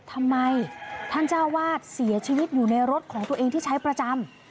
ทำไมท่านเจ้าวาดเสียชีวิตอยู่ในรถของตัวเองที่ใช้ประจำ